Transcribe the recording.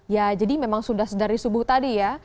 ya jadi memang sudah dari subuh tadi ya